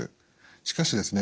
しかしですね